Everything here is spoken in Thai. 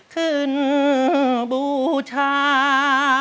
ขึ้นบูชา